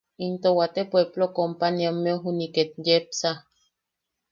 Into waate pueplo companyiammeu juniʼi ket yepsa.